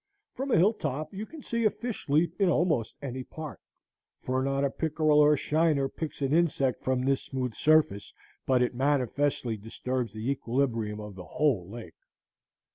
From a hill top you can see a fish leap in almost any part; for not a pickerel or shiner picks an insect from this smooth surface but it manifestly disturbs the equilibrium of the whole lake.